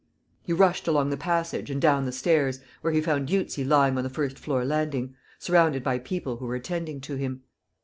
He rushed along the passage and down the stairs, where he found Dieuzy lying on the first floor landing, surrounded by people who were attending to him.